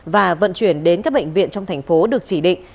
và vận chuyển đến các bệnh viện trong thành phố được chỉ định